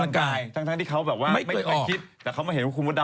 เอาเรื่องตัวเองเอาเรื่องตัวเอง